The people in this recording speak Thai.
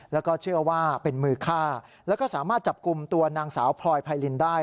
แล้วก็เชื่อว่าเป็นมือฆ่าแล้วก็สามารถจับกลุ่มตัวนางสาวพลอยไพรินได้